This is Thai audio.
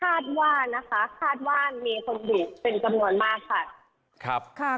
คาดว่านะคะคาดว่ามีคนอยู่เป็นจำนวนมากค่ะ